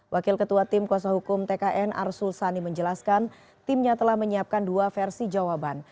wakil ketua tim kuasa hukum tkn arsul sani menjelaskan timnya telah menyiapkan dua versi jawaban